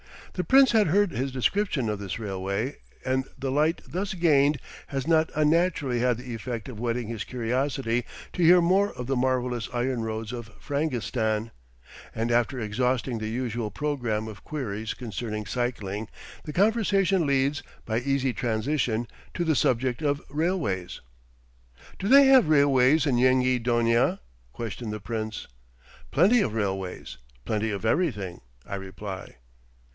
The Prince has heard his description of this railway, and the light thus gained has not unnaturally had the effect of whetting his curiosity to hear more of the marvellous iron roads of Frangistan; and after exhausting the usual programme of queries concerning cycling, the conversation leads, by easy transition, to the subject of railways. "Do they have railways in Yenghi Donia?" questioned the Prince. "Plenty of railways; plenty of everything," I reply.